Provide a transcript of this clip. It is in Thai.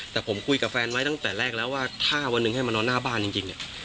แต่ผมคุยกับแฟนไว้ตั้งแต่แรกแล้วว่าถ้าวันหนึ่งให้มานอนหน้าบ้านจริงเนี่ย